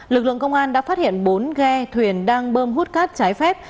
lực lượng công an đã phát hiện bốn ghe thuyền đang bơm hút cát trái phép